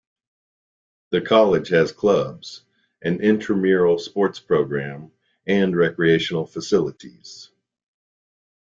The college has clubs, an intramural sports programme and recreational facilities.